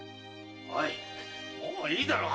・おいもういいだろう！